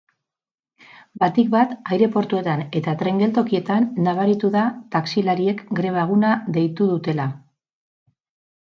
Batik bat aireportuetan eta tren geltokietan nabaritu da taxilariek greba eguna deitu dutela.